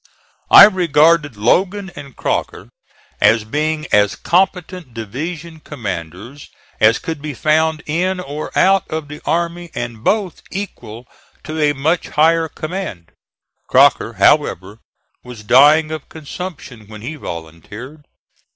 I regarded Logan and Crocker as being as competent division commanders as could be found in or out of the army and both equal to a much higher command. Crocker, however, was dying of consumption when he volunteered.